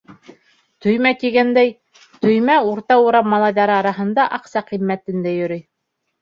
Төймә тигәндәй, төймә урта урам малайҙары араһында аҡса ҡиммәтендә йөрөй.